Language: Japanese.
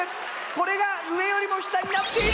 これが上よりも下になっている！